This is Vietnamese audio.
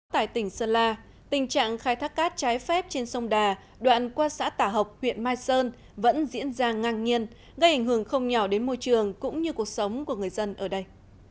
tại tỉnh sơn la tình trạng khai thác cát trái phép trên sông đà đoạn qua xã tả học huyện mai sơn vẫn diễn ra ngang nhiên gây ảnh hưởng không nhỏ đến môi trường cũng như cuộc sống của người dân ở đây